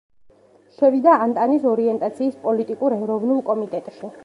შევიდა ანტანტის ორიენტაციის პოლიტიკურ ეროვნულ კომიტეტში.